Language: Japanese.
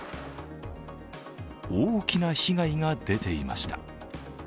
大きな被害が出ていました。